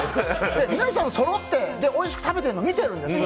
皆さんそろっておいしく食べてるの見てるんですよ。